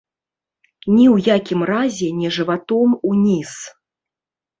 Ні ў якім разе не жыватом уніз.